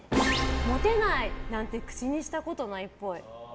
モテないなんて口にしたことないっぽい。